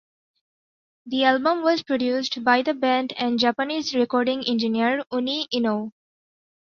The album was produced by the band and Japanese recording engineer Uni Inoue.